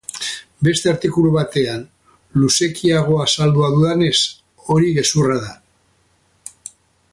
Beste artikulu batean luzekiago azaldua dudanez, hori gezurra da.